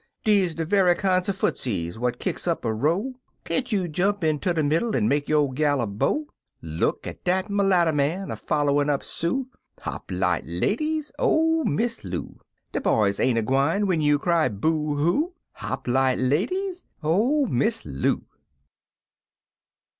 Deze de ve'y kinder footses w'at kicks up a row; Can't you jump inter de middle en make yo'gal a bow? Look at dat merlatter man A folIerin' up Sue; Hop light, ladies. Oh, Miss Loo! De boys ain't a gwine Wen you cry boo koo — Hop light, ladies, Oh, Miss Loo!